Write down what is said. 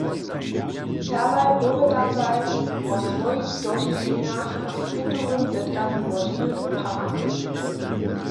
Serbaj powědataj wo swojich dožiwjenjach na swětowym zetkanju młodźiny w Panamje.